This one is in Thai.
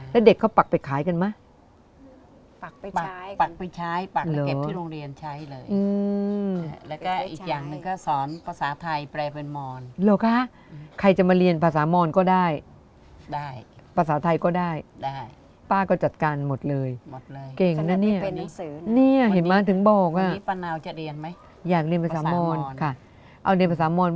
แล้วเด็กเขาปักไปขายกันไหมปักไปใช้ปักไปใช้ปักแล้วเก็บที่โรงเรียนใช้เลยแล้วก็อีกอย่างหนึ่งก็สอนภาษาไทยแปลเป็นมอน